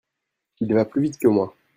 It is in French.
Il va plus vite que moi.